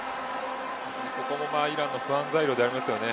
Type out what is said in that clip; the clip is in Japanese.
ここもイランの不安材料ですよね。